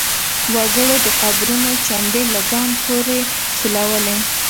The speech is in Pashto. وګړو د قبرونو چنډې له ځان پورې سولولې.